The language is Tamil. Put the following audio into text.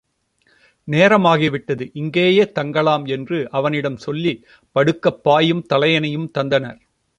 நேரம் ஆகிவிட்டது இங்கேயே தங்கலாம் என்று அவனிடம் சொல்லிப் படுக்கப் பாயும் தலையணையும் தந்தனர்.